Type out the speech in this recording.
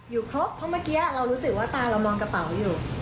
ครบเพราะเมื่อกี้เรารู้สึกว่าตาเรามองกระเป๋าอยู่